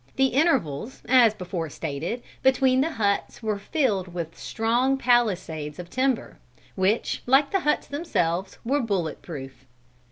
The intervals, as before stated, between the huts, were filled with strong palisades of timber, which, like the huts themselves, were bullet proof.